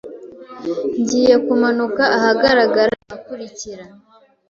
Ngiye kumanuka ahagarara ahakurikira.